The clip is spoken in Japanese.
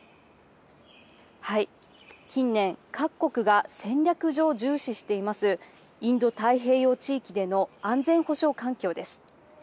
近年、各国が戦略上重視していますインド太平洋地域での安全保障環境です。